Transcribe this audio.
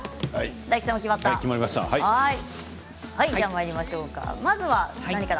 大吉さんも決めましたか？